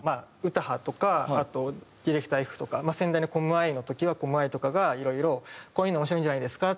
詩羽とかあとＤｉｒ．Ｆとか先代のコムアイの時はコムアイとかがいろいろこういうの面白いんじゃないですか？